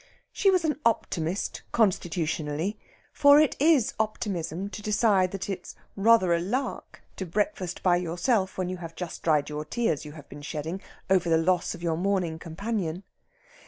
She was an optimist constitutionally; for it is optimism to decide that it is "rather a lark" to breakfast by yourself when you have just dried the tears you have been shedding over the loss of your morning companion.